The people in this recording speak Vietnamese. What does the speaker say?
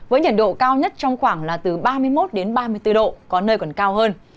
với nhiệt độ cao nhất trong khoảng là từ ba mươi một ba mươi bốn độ có nơi còn cao hơn